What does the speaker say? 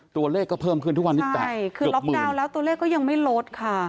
ตัวเลขก็เพิ่มขึ้นทุกวันที่๘ใช่คือล็อกดาวน์แล้วตัวเลขก็ยังไม่ลดค่ะ